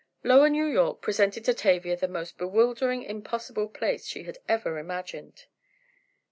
Lower New York presented to Tavia the most bewildering, impossible place she had ever imagined!